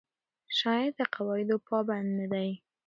شاعر د قواعدو پابند نه دی.